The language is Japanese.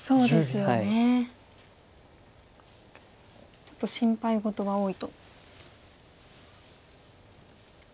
ちょっと心配事が多いと。